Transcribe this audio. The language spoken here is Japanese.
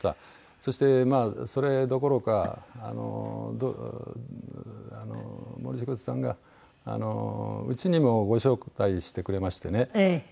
そしてそれどころかあの森繁さんがうちにもご招待してくれましてね。